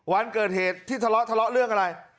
วันเกิดเหตุที่ทะเลาะทะเลาะเรื่องอะไร